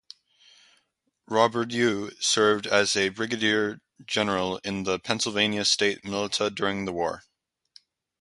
Roberdeau served as a brigadier general in the Pennsylvania state militia during the war.